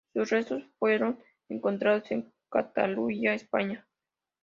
Sus restos fueron encontrados en Cataluña, España.